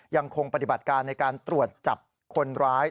ยังคงปฏิบัติการในการตรวจจับคนร้าย